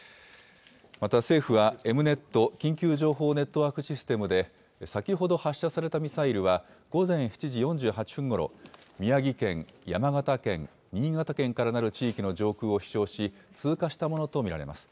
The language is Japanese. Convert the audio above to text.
また政府は、エムネット・緊急情報ネットワークシステムで先ほど発射されたミサイルは、午前７時４８分ごろ、宮城県、山形県、新潟県からなる地域の上空を飛しょうし、通過したものと見られます。